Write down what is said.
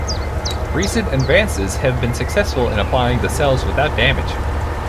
Recent advances have been successful in applying the cells without damage.